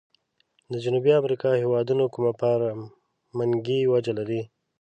د جنوبي امريکا هیوادونو کومه فرمنګي وجه لري؟